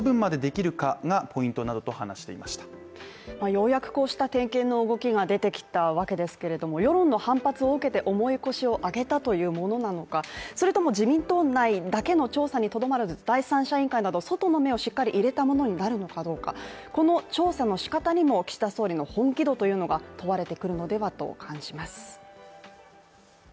ようやく、こうした点検の動きが出てきたわけですけど世論の反発を受けて重い腰を上げたというものなのかそれとも自民党内だけの調査にとどまらず第三者委員会など外の目をしっかり入れたものになるのかどうかこの調査のしかたにも岸田総理の本気度というのが問われてくるのではと感じます。